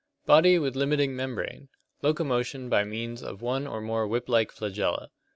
Body with limiting membrane. Locomotion by means of one or more whip like flagella.